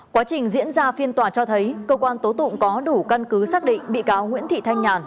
quá trình diễn ra phiên tòa cho thấy cơ quan tố tụng có đủ căn cứ xác định bị cáo nguyễn thị thanh nhàn